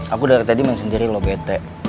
aku dari tadi main sendiri lo bete